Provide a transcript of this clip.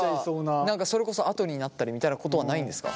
何かそれこそ跡になったりみたいなことはないんですか？